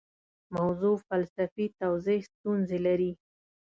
موضوع فلسفي توضیح ستونزې لري.